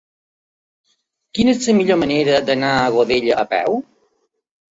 Quina és la millor manera d'anar a Godella a peu?